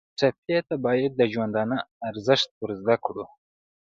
ټپي ته باید د ژوندانه ارزښت ور زده کړو.